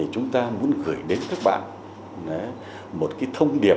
chúng ta muốn gửi đến các bạn một thông điệp